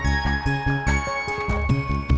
kamu jangan terkicim pring